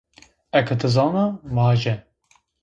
Eke ti zana, vaje